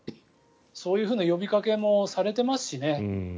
そういうふうな呼びかけもされていますしね。